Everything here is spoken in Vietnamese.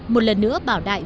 một lần nữa bảo đại